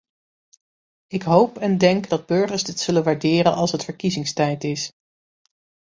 Ik hoop en denk dat burgers dit zullen waarderen als het verkiezingstijd is.